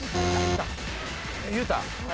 言うた？